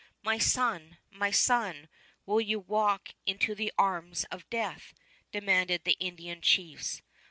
"My son, my son, will you walk into the arms of death?" demanded the Indian chiefs.